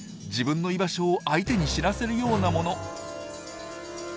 自分の居場所を相手に知らせるようなもの。